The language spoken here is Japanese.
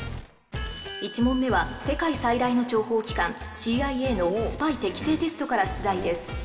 １問目は世界最大の諜報機関ＣＩＡのスパイ適性テストから出題です。